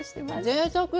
ぜいたく！